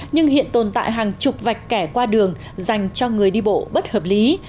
nhưng hiện tồn tại hàng chục vạch kẻ qua đường dành cho người đi bộ bất hợp lý